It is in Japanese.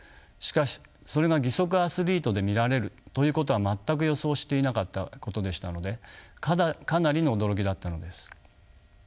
しかしそれが義足アスリートで見られるということは全く予想していなかったことでしたのでかなりの驚きだったのです。